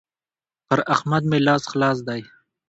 پر احمد مې لاس خلاص دی.